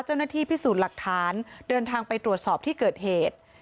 เจ้าหน้าที่พิสูจน์หลักฐานเดินทางไปตรวจสอบที่เกิดเหตุ